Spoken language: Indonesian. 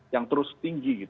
yang terus tinggi gitu